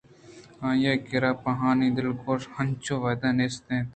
آئی ءِ کِرّا پہ آہانی دلگوشیءَ اینچو وہد نیست ات